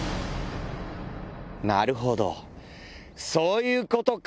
なるほどそういうことか！